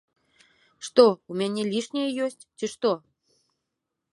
Што, у мяне лішняе ёсць, ці што?